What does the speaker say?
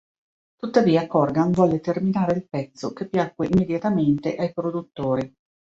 Tuttavia Corgan volle terminare il pezzo che piacque immediatamente ai produttori.